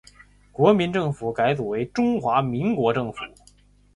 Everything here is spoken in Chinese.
国民政府改组为中华民国政府。